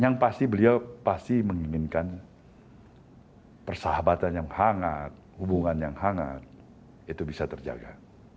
yang pasti beliau pasti menginginkan persahabatan yang hangat hubungan yang hangat itu bisa terjaga